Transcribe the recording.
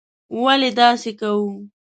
ولې داسې کوو.